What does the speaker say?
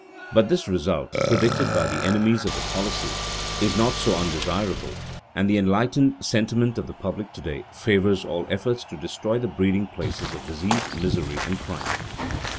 But this result, predicted by the enemies of the policy, is not so undesirable, and the enlightened sentiment of the public to day favors all efforts to destroy the breeding places of disease, misery, and crime.